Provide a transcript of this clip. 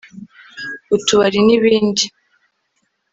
utubari n’ibindi